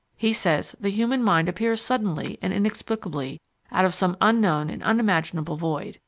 He says the human mind appears suddenly and inexplicably out of some unknown and unimaginable void.